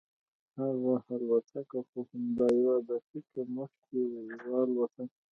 هغه الوتکه خو همدا یوه دقیقه مخکې والوتله.